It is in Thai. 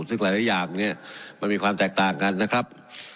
ซึ่งหลายอย่างเนี่ยมันมีความแตกต่างกันนะครับ